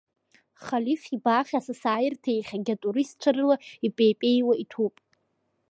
Халиф ибааш асасааирҭа иахьагьы атуристцәа рыла ипеипеиуа иҭәуп.